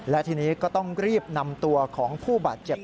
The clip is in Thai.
และทีนี้ก็ต้องรีบนำตัวของผู้บาดเจ็บ